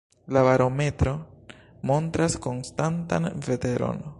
La barometro montras konstantan veteron.